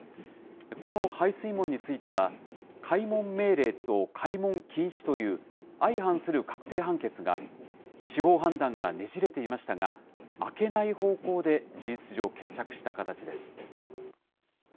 この排水門については、開門命令と開門禁止という、相反する確定判決があり、司法判断がねじれていましたが、開けない方向で事実上、決着した形です。